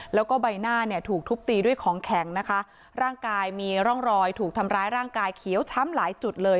แล้วก็ใบหน้าเนี่ยถูกทุบตีด้วยของแข็งนะคะร่างกายมีร่องรอยถูกทำร้ายร่างกายเขียวช้ำหลายจุดเลย